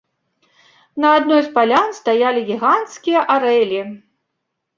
На адной з палян стаялі гіганцкія арэлі.